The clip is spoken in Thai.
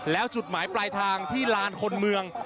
แล้วจุดหมายปลายทางที่ลานคนเมือง